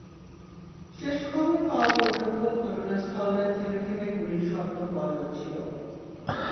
শেষ খবর পাওয়া পর্যন্ত ঘটনাস্থলে থেমে থেমে গুলির শব্দ পাওয়া যাচ্ছিল।